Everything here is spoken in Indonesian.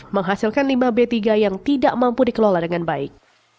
menghasilkan limbah b tiga yang tidak mampu dikelola dengan baik